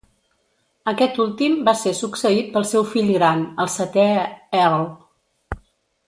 Aquest últim va ser succeït pel seu fill gran, el setè Earl.